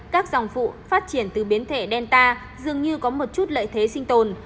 các dòng phụ phát triển từ biến thể delta dường như có một chút lợi thế sinh tồn